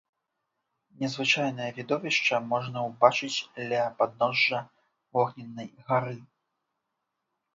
Незвычайнае відовішча можна ўбачыць ля падножжа вогненнай гары.